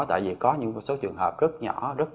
tại vì có những số trường hợp rất nhỏ rất